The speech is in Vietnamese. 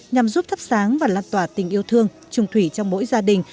nhằm giúp thắp sáng và lan tỏa tình yêu thương trùng thủy trong mỗi gia đình